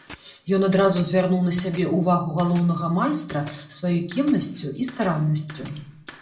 Ён адразу звярнуў на сябе ўвагу галоўнага майстра сваёй кемнасцю і стараннасцю.